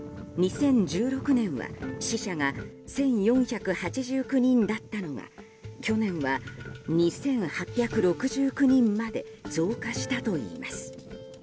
２０１６年は死者が１４８９人だったのが去年は２８６９人まで増加したといいます。